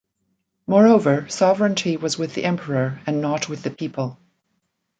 Moreover, sovereignty was with the Emperor and not with the people.